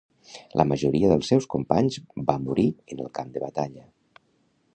La majoria dels seus companys va morir en el camp de batalla.